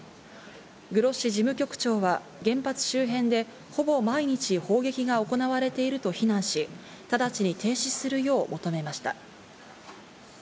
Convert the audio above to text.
グロッシ事務局長は原発周辺で、ほぼ毎日、砲撃が行われていると非難し、直ちに停止するよう求めました。